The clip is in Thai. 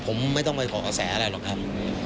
ผมไม่ต้องไปขอกระแสอะไรหรอกครับ